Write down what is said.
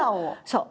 そう。